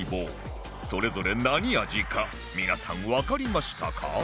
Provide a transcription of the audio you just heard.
それぞれ何味か皆さんわかりましたか？